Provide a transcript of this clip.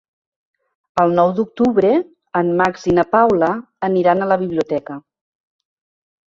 El nou d'octubre en Max i na Paula aniran a la biblioteca.